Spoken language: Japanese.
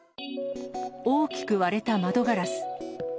大きく割れた窓ガラス。